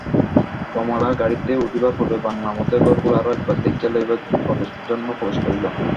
কমলা গাড়িতে উঠিবার পূর্বে বাংলার মধ্যে ঘরগুলি আর-একবার দেখিয়া লইবার জন্য প্রবেশ করিল।